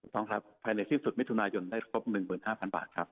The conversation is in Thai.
ถูกครับภายในที่สุดมิถุนายนได้ครบหนึ่งหมื่นห้าพันบาทครับ